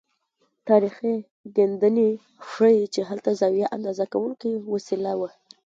تاریخي کیندنې ښيي چې هلته زاویه اندازه کوونکې وسیله وه.